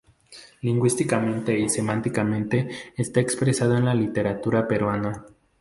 Lingüística y semánticamente está expresado en la literatura peruana.